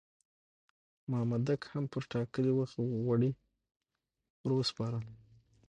مامدک هم پر ټاکلي وخت غوړي ور وسپارل.